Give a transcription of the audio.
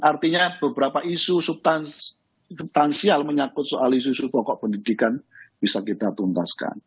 artinya beberapa isu subtansial menyakut soal isu isu pokok pendidikan bisa kita tuntaskan